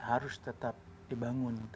harus tetap dibangun